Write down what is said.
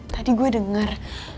tadi gue denger